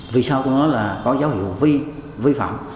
vì sao tôi nói là có dấu hiệu vi phạm